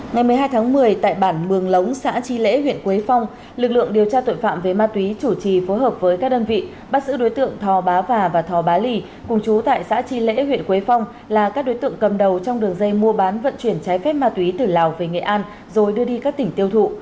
ngày một mươi hai tháng một mươi tại bản mường lống xã tri lễ huyện quế phong lực lượng điều tra tội phạm về ma túy chủ trì phối hợp với các đơn vị bắt giữ đối tượng thò bá và và thò bá lì cùng chú tại xã tri lễ huyện quế phong là các đối tượng cầm đầu trong đường dây mua bán vận chuyển trái phép ma túy từ lào về nghệ an rồi đưa đi các tỉnh tiêu thụ